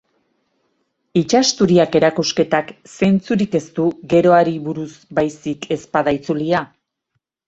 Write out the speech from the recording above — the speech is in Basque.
Itsasturiak erakusketak zentzurik ez du geroari buruz baizik ez bada itzulia?